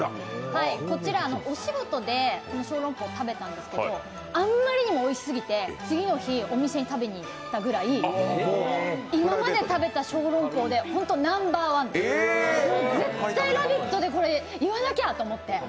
こちらお仕事でこの小籠包を食べたんですけどあまりにもおいしすぎて次の日、お店に食べにいったぐらい今まで食べた小籠包でナンバー１、もう絶対「ラヴィット！」で言わなきゃと思って。